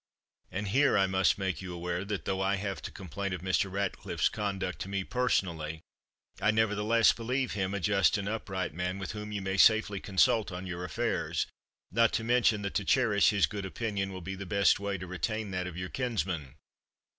And here I must make you aware, that though I have to complain of Mr. Ratcliffe's conduct to me personally, I, nevertheless, believe him a just and upright man, with whom you may safely consult on your affairs, not to mention that to cherish his good opinion will be the best way to retain that of your kinsman.